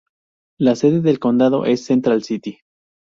La sede del condado es Central City.